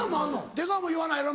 出川も言わないやろ？